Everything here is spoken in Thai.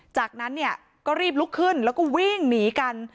จากนั้นเนี่ยก็รีบลุกขึ้นแล้วก็วิ่งหนีกัน